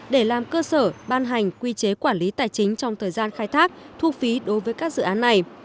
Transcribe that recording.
để làm cơ sở ban hành quy chế quản lý tài chính trong thời gian khai thác thu phí đối với các dự án này